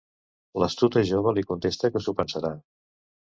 L'astuta jove li contesta que s'ho pensarà.